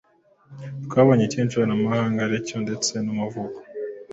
Twabonye icyo inshoberamahanga ari cyo ndetse n’umuvugo,